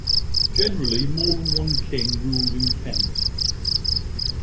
Generally more than one king ruled in Kent.